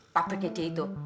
pabriknya dia itu